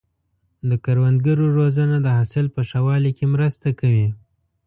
د کروندګرو روزنه د حاصل په ښه والي کې مرسته کوي.